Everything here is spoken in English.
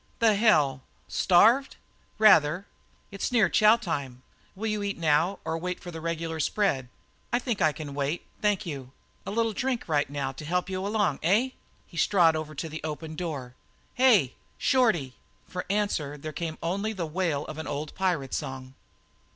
"The hell! Starved?" "Rather." "It's near chow time. Will you eat now or wait for the reg'lar spread?" "I think I can wait, thank you." "A little drink right now to help you along, eh?" He strode over and opened the door. "Hey! Shorty!" For answer there came only the wail of an old pirate song.